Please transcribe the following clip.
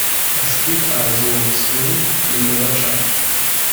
Es geht also zu wie in der Wirtschaft.